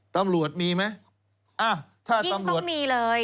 ตำรวจมีไหมอ้าถ้าตำรวจยิ่งต้องมีเลย